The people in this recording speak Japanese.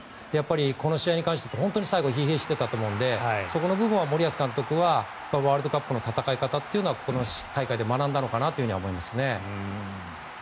この試合に関して言うと、最後本当に疲弊していたと思うのでそこの部分は森保監督はワールドカップの戦い方というのはこの大会で学んだのかなとは思います。